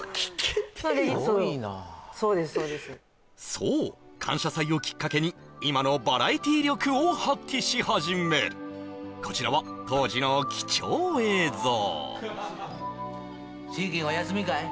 そう「感謝祭」をきっかけに今のバラエティ力を発揮し始めるこちらは当時の貴重映像世間は休みかい？